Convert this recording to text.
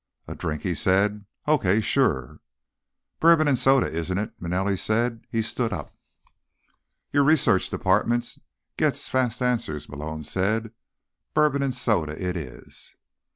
"A drink?" he said. "Okay. Sure." "Bourbon and soda, isn't it?" Manelli said. He stood up. "Your research department gets fast answers," Malone said. "Bourbon and soda it is."